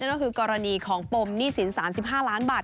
ก็คือกรณีของปมหนี้สิน๓๕ล้านบาท